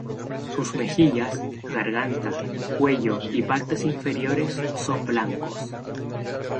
Sus mejillas, garganta, cuello y partes inferiores son blancos.